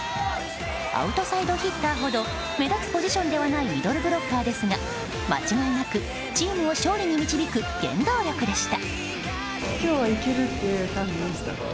アウトサイドヒッターほど目立つポジションではないミドルブロッカーですが間違いなくチームを勝利に導く原動力でした。